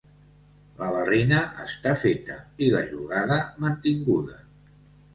La barrina està feta i la jugada mantinguda.